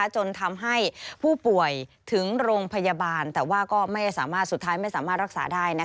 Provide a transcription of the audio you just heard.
จนทำให้ผู้ป่วยถึงโรงพยาบาลแต่ว่าก็ไม่สามารถสุดท้ายไม่สามารถรักษาได้